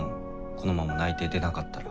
このまま内定出なかったら。